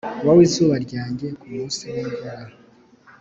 wowe izuba ryanjye kumunsi wimvura.